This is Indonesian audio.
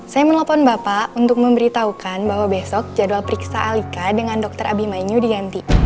saya menelpon bapak untuk memberitahukan bahwa besok jadwal periksa alika dengan dr abimainyu diganti